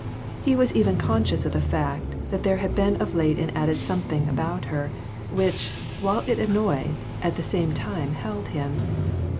He was even con scious of the fact that there had been of late ^an added something about her, which, while it annoyed, at the same time held him.